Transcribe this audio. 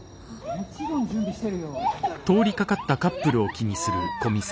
もちろん準備してるよ。